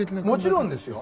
もちろんですよ。